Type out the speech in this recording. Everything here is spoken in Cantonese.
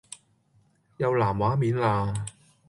又藍畫面啦